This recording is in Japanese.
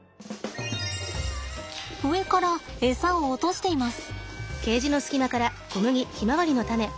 上からエサを落としています。